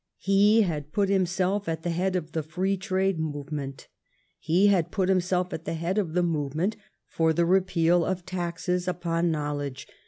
He had put himself at the head of the free trade move ment. He had put himself at the head of the movement for the repeal of taxes upon knowledge.